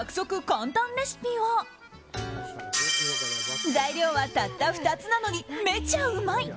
簡単レシピは材料はたった２つなのにめちゃうまい！